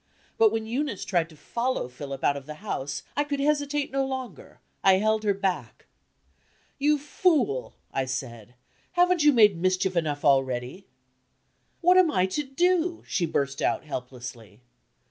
But when Eunice tried to follow Philip out of the house, I could hesitate no longer; I held her back. "You fool," I said; "haven't you made mischief enough already?" "What am I to do?" she burst out, helplessly.